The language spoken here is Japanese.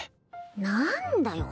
何だよ